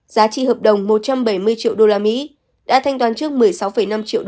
giá trị hợp đồng một trăm bảy mươi triệu usd đã thanh toán trước một mươi sáu năm triệu usd